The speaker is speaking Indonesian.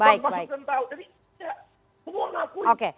saya beri waktu ke bang mas huston